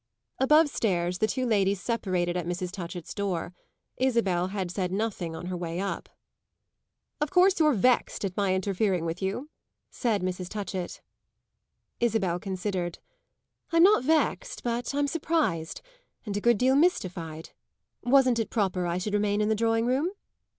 Above stairs the two ladies separated at Mrs. Touchett's door. Isabel had said nothing on her way up. "Of course you're vexed at my interfering with you," said Mrs. Touchett. Isabel considered. "I'm not vexed, but I'm surprised and a good deal mystified. Wasn't it proper I should remain in the drawing room?"